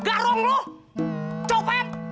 garung lu copet